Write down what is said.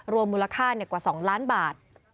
รวมมูลค่าเนี่ยกว่า๒ล้านบาท